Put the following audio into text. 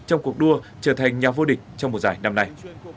trong cuộc đua trở thành nhà vô địch trong một giải năm nay